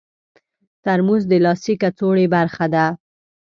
ترموز د لاسي کڅوړې برخه ده.